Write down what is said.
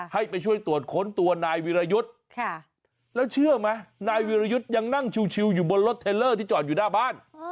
ให้ไปช่วยตรวจค้นตัวนายวิรยุทธ์แล้วเชื่อไหมนายวิรยุทธ์ยังนั่งชิวอยู่บนรถเทลเลอร์ที่จอดอยู่หน้าบ้าน